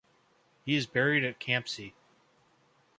He is buried at Campsie.